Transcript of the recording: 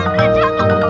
jauh au la ula